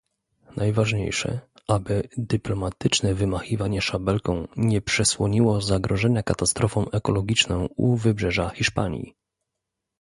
Najważniejsze, aby dyplomatyczne wymachiwanie szabelką nie przesłoniło zagrożenia katastrofą ekologiczną u wybrzeża Hiszpanii